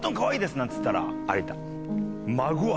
なんつったら「有田」。